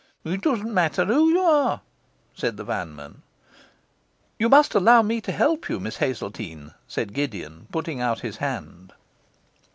'It doesn't matter who you are,' said the vanman. 'You must allow me to help you, Miss Hazeltine,' said Gideon, putting out his hand.